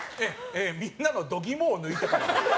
みんなの度肝を抜いたから。